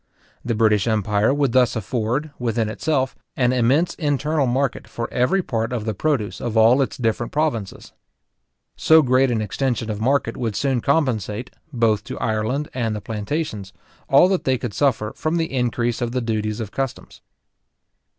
The British empire would thus afford, within itself, an immense internal market for every part of the produce of all its different provinces. So great an extension of market would soon compensate, both to Ireland and the plantations, all that they could suffer from the increase of the duties of customs.